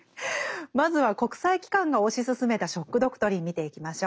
まずは国際機関が推し進めた「ショック・ドクトリン」見ていきましょう。